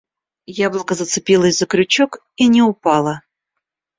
Яблоко зацепилось за крючок и не упало.